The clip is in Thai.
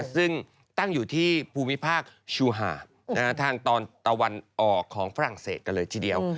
ซึ่งตั้งอยู่ที่ภูมิภาคชูหาดทางตอนตะวันออกของฝรั่งเศสกันเลยทีเดียว